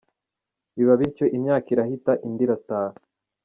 Biba bityo, imyaka irahita indi irataha.